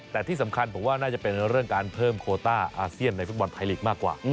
แต่ที่สำคัญผมว่าน่าจะเป็นเรื่องการเพิ่มโคต้าอาเซียนในฟุตบอลไทยลีกมากกว่า